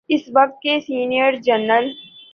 اس وقت کے سینئر جرنیل۔